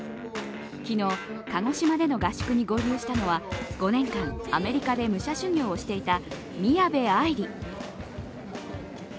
昨日鹿児島での合宿に合流したのは５年間、アメリカで武者修行していた宮部愛梨。